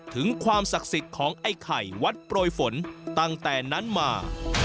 ถึงความศักดิ์สิทธิ์ของไอ้ไข่วัดโปรยฝนตั้งแต่นั้นมา